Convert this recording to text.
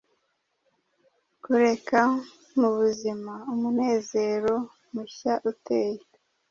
Kureka mubuzima-umunezero mushya uteye